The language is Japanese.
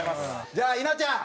じゃあ稲ちゃん！